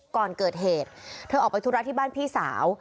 ก่อนเกิดเหตุเธอออกไปธุระที่บ้านพี่สาว